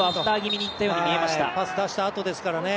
パス出したあとですからね